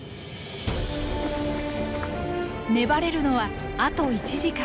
粘れるのはあと１時間。